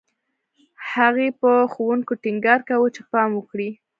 هغې په ښوونکو ټینګار کاوه چې پام وکړي